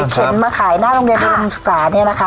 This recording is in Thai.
เข็นมาขายหน้าโรงเรียนธุรกิจศาสตร์เนี่ยนะคะ